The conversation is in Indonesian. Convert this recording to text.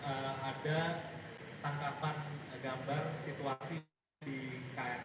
terus ada tangkapan gambar situasi di krl atau komputer lain